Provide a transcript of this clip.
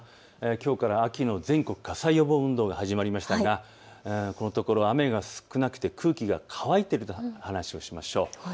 きょうから秋の全国火災予防運動が始まりましたが、このところ雨が少なくて空気が乾いているという話をしましょう。